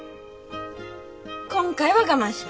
今回は我慢します。